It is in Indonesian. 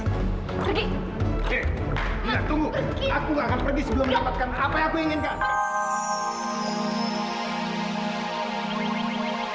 hei dina tunggu aku nggak akan pergi sebelum dapatkan apa yang aku inginkan